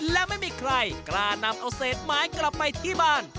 และไม่มีใครกล้านำเอาเศษไม้กลับไปที่บ้าน